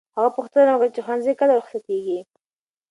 هغه پوښتنه وکړه چې ښوونځی کله رخصتېږي.